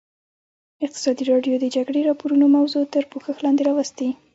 ازادي راډیو د د جګړې راپورونه موضوع تر پوښښ لاندې راوستې.